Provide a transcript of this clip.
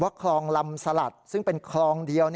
คลองลำสลัดซึ่งเป็นคลองเดียว